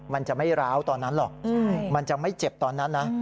มันจะไม่ร้าวตอนนั้นหรอกมันจะไม่เจ็บตอนนั้นนะ